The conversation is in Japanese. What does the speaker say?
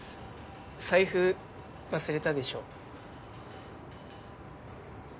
財布忘れたでしょ